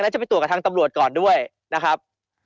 แล้วจะไปตรวจกับทางตำรวจก่อนด้วยนะครับ